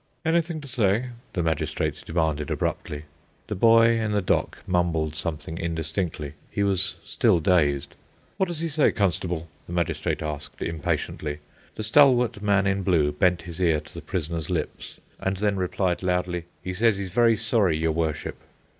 "Anything to say?" the magistrate demanded abruptly. The boy in the dock mumbled something indistinctly. He was still dazed. "What does he say, constable?" the magistrate asked impatiently. The stalwart man in blue bent his ear to the prisoner's lips, and then replied loudly, "He says he's very sorry, your Worship."